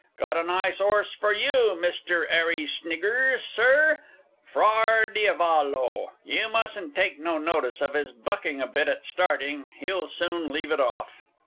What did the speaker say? Got a nice 'orse for you, Mr. 'Arry Sniggers, Sir Frar Diavolo. You mustn't take no notice of his bucking a bit at starting he'll soon leave it off.